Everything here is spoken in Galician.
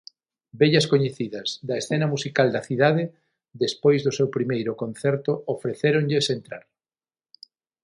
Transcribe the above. Vellas coñecidas da escena musical da cidade, despois do seu primeiro concerto ofrecéronlles entrar.